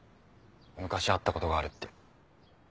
昔会った事があるって。